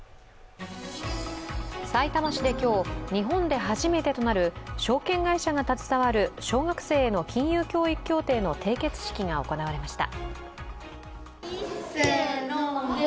さいたま市で今日、日本で初めてとなる証券会社が携わる小学生への金融教育協定の締結式が行われました。